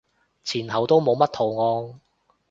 前後都冇乜圖案